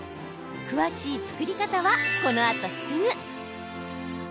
詳しい作り方は、このあとすぐ！